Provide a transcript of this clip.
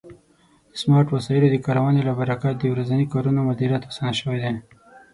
د سمارټ وسایلو د کارونې له برکت د ورځني کارونو مدیریت آسانه شوی دی.